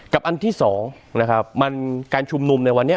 อันที่สองนะครับมันการชุมนุมในวันนี้